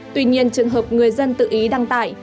tuy nhiên trường hợp người dân tự ý đăng tải